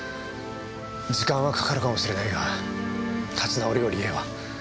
時間はかかるかもしれないが立ち直るよ梨絵は。